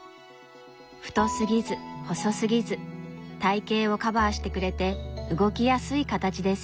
太すぎず細すぎず体形をカバーしてくれて動きやすい形です。